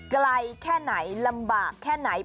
ไกลแค่ไหนลำบากแค่ไหน